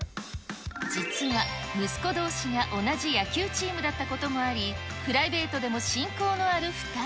実は息子どうしが同じ野球チームだったこともあり、プライベートでも親交のある２人。